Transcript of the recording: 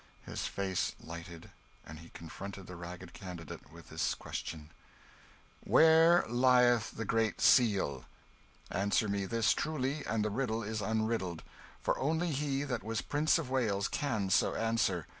His face lighted, and he confronted the ragged candidate with this question "Where lieth the Great Seal? Answer me this truly, and the riddle is unriddled; for only he that was Prince of Wales can so answer!